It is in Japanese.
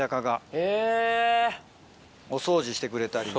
へぇ！お掃除してくれたり。